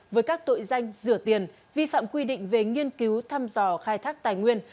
với các tội danh rửa tiền vi phạm quy định về nghiên cứu thăm dò khai thác tài nguyên